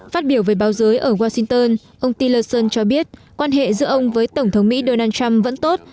phát biểu về báo giới ở washington ông tinlson cho biết quan hệ giữa ông với tổng thống mỹ donald trump vẫn tốt